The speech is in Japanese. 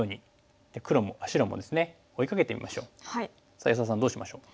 さあ安田さんどうしましょう？